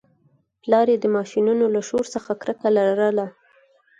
پلار یې د ماشینونو له شور څخه کرکه لرله